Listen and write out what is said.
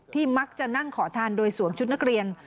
มักจะนั่งขอทานโดยสวมชุดนักเรียน